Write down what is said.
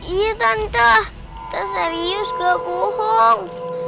iya tante kita serius nggak bohong